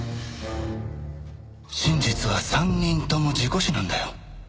真実は３人とも事故死なんだよ。